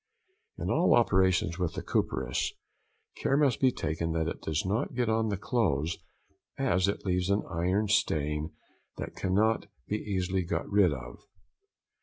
In all operations with the copperas care must be taken that it does not get on the clothes, as it leaves an iron stain that cannot be easily got rid of.